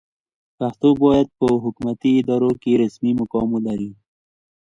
پښتو باید په حکومتي ادارو کې رسمي مقام ولري.